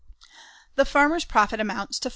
The farmer's profit amounts to $4.